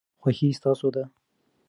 خوښي ستاسو ده.